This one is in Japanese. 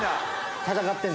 戦ってんの？